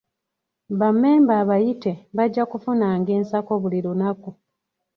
Bammemba abayite bajja kufunanga ensako buli lunaku.